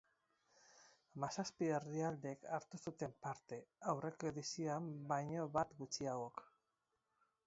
Hamazazpi herrialdek hartu zuten parte, aurreko edizioan baina bat gutxiagok.